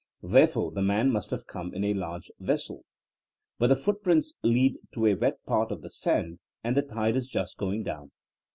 Therefore the man must have come in a large vessel. But the footprints lead to a wet part of the sand and the tide is just going down.